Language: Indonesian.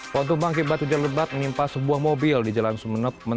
pohon tumbang akibat hujan lebat menimpa sebuah mobil di jalan sumeneb